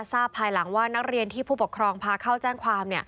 ภายหลังว่านักเรียนที่ผู้ปกครองพาเข้าแจ้งความ